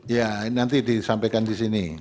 iya nanti disampaikan di sini